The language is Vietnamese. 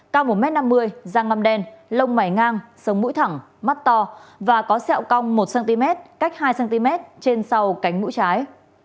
cao một m năm mươi giang năm đen lông mảy ngang sống mũi thẳng mắt to và có sẹo cong một cm cách hai cm trên sau cánh mũi trái